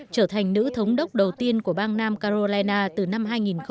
trở thành nữ thống đốc đầu tiên của bang nam carolina từ năm hai nghìn một mươi